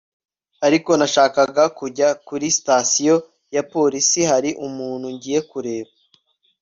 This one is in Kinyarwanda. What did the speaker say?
ariko nashakaga kujya kuri station ya police hari umuntu ngiye kureba